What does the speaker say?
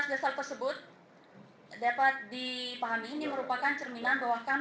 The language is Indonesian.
secara prosedur juga kita sudah melakukan permohonan